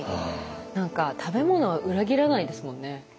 何か食べ物は裏切らないですもんね。